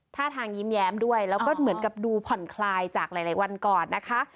ท่าทางยิ้มแย้มด้วยแล้วก็เหมือนกับดูผ่อนคลายจากหลายวันก่อนนะคะ